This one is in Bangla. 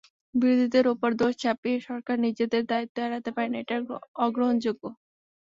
বিরোধীদের ওপর দোষ চাপিয়ে সরকার নিজের দায়িত্ব এড়াতে পারে না, এটা অগ্রহণযোগ্য।